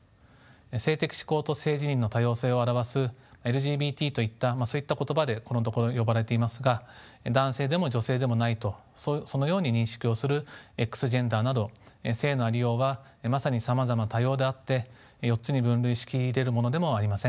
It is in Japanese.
性的指向と性自認の多様性を表すＬＧＢＴといったそういった言葉でこのところ呼ばれていますが男性でも女性でもないとそのように認識をするＸジェンダーなど性のありようはまさにさまざま多様であって４つに分類し切れるものでもありません。